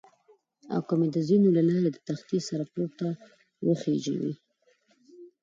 او که مې د زینو له لارې د تختې سره پورته وخېژوي.